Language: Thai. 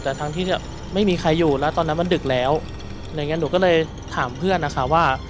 แต่ทั้งที่ไม่มีใครอยู่แล้วตอนนั้นมันดึกแล้วอะไรอย่างเงี้หนูก็เลยถามเพื่อนนะคะว่า